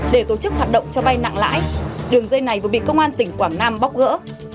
để tổ chức hoạt động cho vay nặng lãi đường dây này vừa bị công an tỉnh quảng nam bóc gỡ